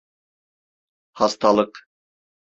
Hastalık.